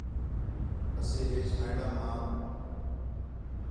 اَسے ہیچ میڈم آ